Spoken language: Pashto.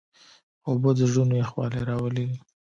اوبه د زړونو یخوالی راولي.